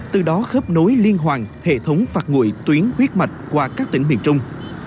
từ đó khớp nối liên hoàn hệ thống phật ngụy tuyến huyết mạch qua các tỉnh miền trung